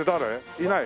いない？